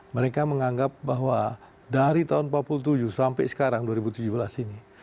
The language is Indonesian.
mereka menganggap bahwa dari tahun seribu sembilan ratus empat puluh tujuh sampai sekarang dua ribu tujuh belas ini